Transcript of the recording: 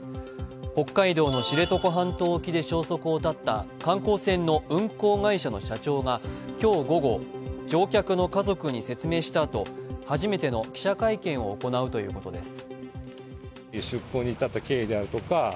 北海道の知床半島沖で消息を絶った観光船の運航会社の社長が今日午後、乗客の家族に説明したあと初めての記者会見を行うということです。